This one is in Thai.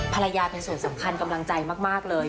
ภรรยาเป็นส่วนสำคัญกำลังใจมากเลย